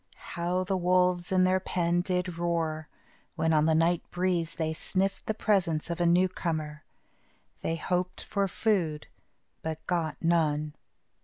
How the wolves in their pen did roar, when, on the night breeze, they sniffed the presence of a newcomer! They hoped for food, but got none.